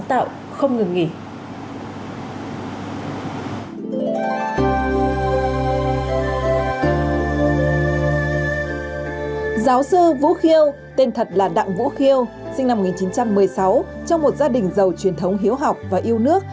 đặng vũ khiêu sinh năm một nghìn chín trăm một mươi sáu trong một gia đình giàu truyền thống hiếu học và yêu nước